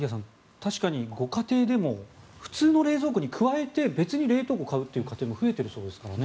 確かにご家庭でも普通の冷蔵庫に加えて別に冷凍庫を買う家庭も増えているそうですからね。